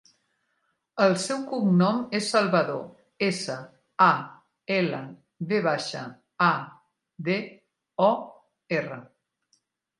El seu cognom és Salvador: essa, a, ela, ve baixa, a, de, o, erra.